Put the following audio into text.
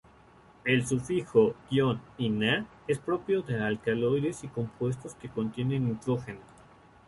El sufijo "-ina" es propio de alcaloides y compuestos que contienen nitrógeno.